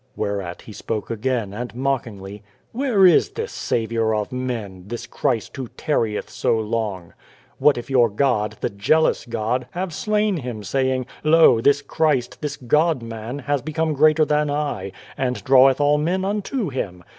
Where at he spoke again, and mockingly :" Where is this Saviour of Men, this Christ who tarrieth so long ?" What if your God the jealous God have slain Him, saying, ' Lo! this Christ, this God Man, has become greater than I, and draweth all men unto Him